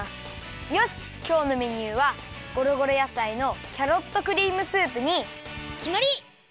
よしきょうのメニューはごろごろやさいのキャロットクリームスープにきまり！